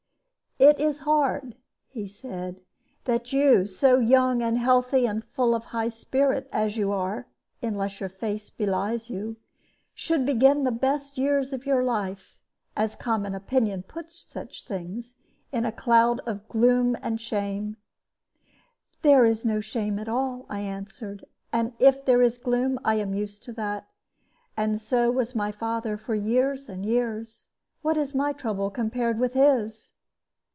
"It is hard," he said, "that you, so young and healthy and full of high spirit as you are (unless your face belies you), should begin the best years of your life, as common opinion puts such things, in such a cloud of gloom and shame." "There is no shame at all," I answered; "and if there is gloom, I am used to that; and so was my father for years and years. What is my trouble compared with his?"